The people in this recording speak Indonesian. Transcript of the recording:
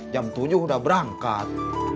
jam tujuh udah berangkat